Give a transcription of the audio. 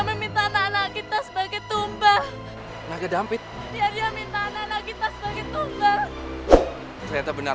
meminta anak anak kita sebagai tumbang lagi dampit ya minta anak kita sebagai tunggu ternyata benar